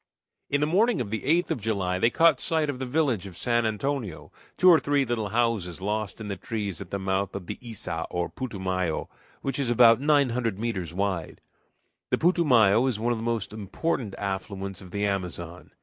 In the morning of the 8th of July they caught sight of the village of San Antonio, two or three little houses lost in the trees at the mouth of the Iça, or Putumayo, which is about nine hundred meters wide. The Putumayo is one of the most important affluents of the Amazon.